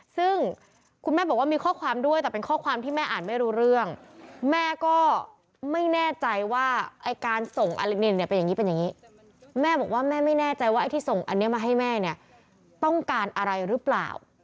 ซึ่งคุณแม่บอกว่ามีข้อความด้วยแต่เป็นข้อความที่แม่อ่านไม่รู้เรื่องแม่ก็ไม่แน่ใจว่าไอ้การส่งอลินเนี่ยเป็นอย่างนี้เป็นอย่างนี้แม่บอกว่าแม่ไม่แน่ใจว่าไอ้ที่ส่งอันนี้มาให้แม่เนี่ยต้องการอะไรหรือเปล่า